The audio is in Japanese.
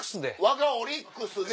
わがオリックスで？